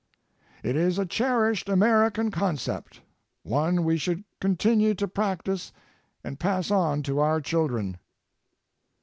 It is a cherished American concept, one we should continue to practice and pass on to our children.